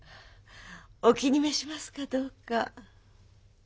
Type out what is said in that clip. お気に召しますかどうか。